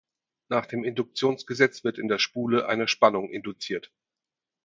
Nach dem Induktionsgesetz wird in der Spule eine Spannung induziert.